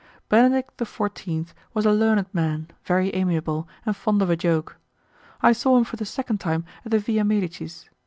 Benedict XIV, was a learned man, very amiable, and fond of a joke. I saw him for the second time at the Villa Medicis.